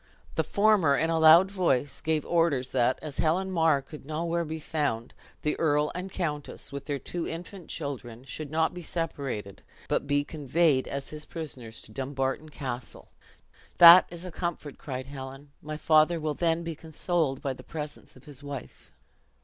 The former, in a loud voice, gave orders that, as Lady Helen Mar could nowhere be found, the earl and countess, with their two infant children, should not be separated, but be conveyed as his prisoners to Dumbarton Castle." "That is a comfort," cried Helen; "my father will then be consoled by the presence of his wife."